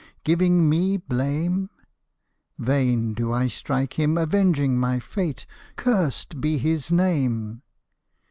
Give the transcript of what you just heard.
Giving me blame ? Vain do I strike him, avenging my fate. Cursed be his name